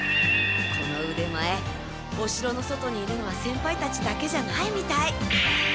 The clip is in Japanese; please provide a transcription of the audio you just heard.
このうでまえお城の外にいるのは先輩たちだけじゃないみたい！